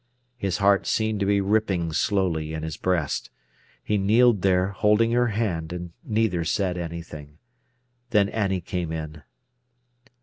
His heart seemed to be ripping slowly in his breast. He kneeled there, holding her hand, and neither said anything. Then Annie came in.